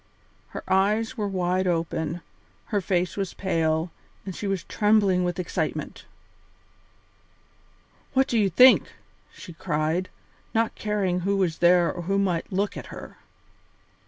Her eyes were wide open, her face was pale, and she was trembling with excitement. "What do you think!" she cried, not caring who was there or who might look at her.